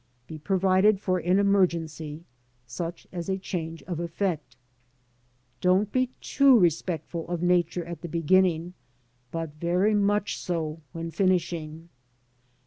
Be provided for an emergency, such as a change of effect. Don't be too respectful to Nature at the beginning, but very much so when finishing.